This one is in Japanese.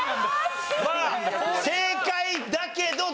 まあ正解だけど残念。